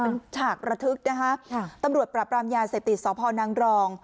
เป็นฉากระทึกนะคะตำรวจปราบรามยาเสพติดสพนังรอง